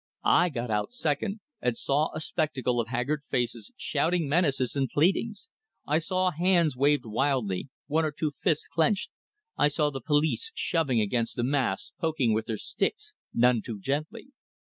I got out second, and saw a spectacle of haggard faces, shouting menaces and pleadings; I saw hands waved wildly, one or two fists clenched; I saw the police, shoving against the mass, poking with their sticks, none too gently.